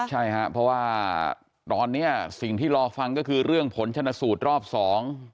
ใช่ครับเพราะว่าตอนเนี้ยสิ่งที่รอฟังก็คือเรื่องผลชนะสูตรรอบสอง